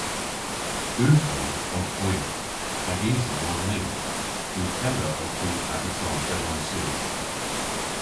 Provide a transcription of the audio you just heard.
Ughel owgh hwi hag isel on ni. Ughella owgh hwi ageson, dell on sur.